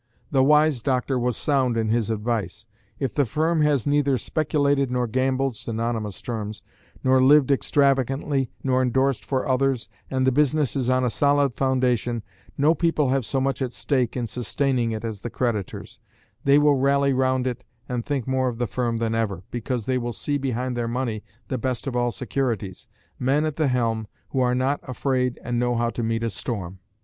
The wise doctor was sound in his advice. If the firm has neither speculated nor gambled (synonymous terms), nor lived extravagantly, nor endorsed for others, and the business is on a solid foundation, no people have so much at stake in sustaining it as the creditors; they will rally round it and think more of the firm than ever, because they will see behind their money the best of all securities men at the helm who are not afraid and know how to meet a storm.